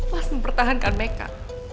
mas mempertahankan meka